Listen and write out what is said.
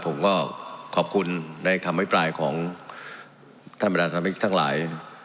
ผมก็ขอบคุณในคำอภิปรายของท่านประธานสมาชิกทั้งหลาย